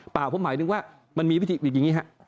เปล่าผมหมายถึงว่ามันมีวิธีอยู่อย่างนี้ฮะ